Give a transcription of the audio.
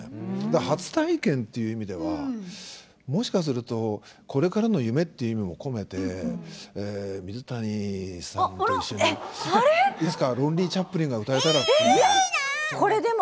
初体験という意味ではもしかするとこれからの夢という意味も込めて水谷さんと一緒にいつか「ロンリーチャップリン」が歌えたらって。